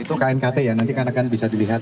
itu knkt ya nanti kan akan bisa dilihat